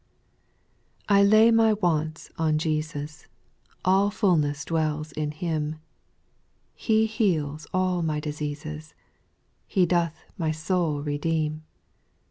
2. I lay my wants on Jesus ; All fulness dwells in Him : He heals all my diseases, He doth my soul redeem.